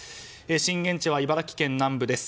震源地は茨城県南部です。